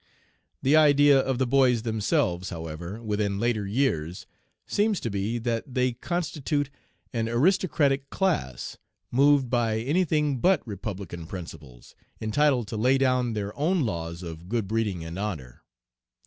The idea of the boys themselves, however, within later years, seems to be that they constitute an aristocratic class (moved by any thing but republican principles) entitled to lay down their own laws of good breeding and honor.